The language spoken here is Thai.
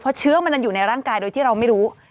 เพราะเชื้อมันยังอยู่ในร่างกายโดยที่เราไม่รู้